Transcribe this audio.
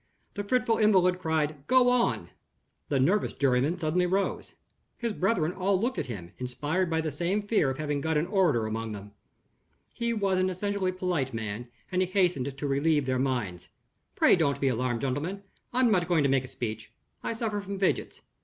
The fretful invalid cried, "Go on!" The nervous juryman suddenly rose. His brethren all looked at him, inspired by the same fear of having got an orator among them. He was an essentially polite man; and he hastened to relieve their minds. "Pray don't be alarmed, gentlemen: I am not going to make a speech. I suffer from fidgets.